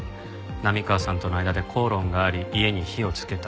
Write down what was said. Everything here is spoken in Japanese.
波川さんとの間で口論があり家に火をつけた。